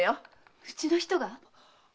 うちの人が？